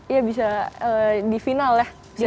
iya bisa di final ya